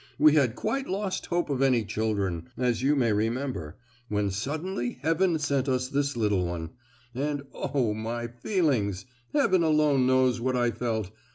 "We had quite lost hope of any children—as you may remember,—when suddenly Heaven sent us this little one. And, oh! my feelings—Heaven alone knows what I felt!